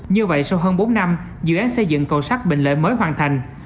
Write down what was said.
như vậy sau hơn bốn năm dự án xây dựng cầu sát bình lợi mới hoàn thành